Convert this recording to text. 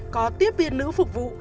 có tiếp viên nữ phục vụ